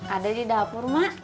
ada di dapur mak